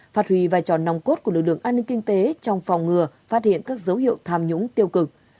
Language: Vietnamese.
phát huy vai trò nòng cốt của lực lượng an ninh kinh tế trong phòng ngừa phát hiện các dấu hiệu tham nhũng tiêu cực